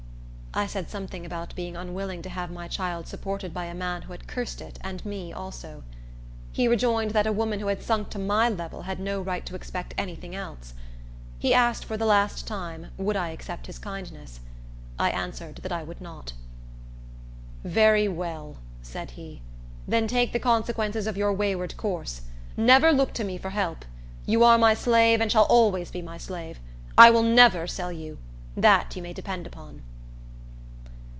I said something about being unwilling to have my child supported by a man who had cursed it and me also. He rejoined, that a woman who had sunk to my level had no right to expect any thing else. He asked, for the last time, would I accept his kindness? I answered that I would not. "Very well," said he; "then take the consequences of your wayward course. Never look to me for help. You are my slave, and shall always be my slave. I will never sell you, that you may depend upon."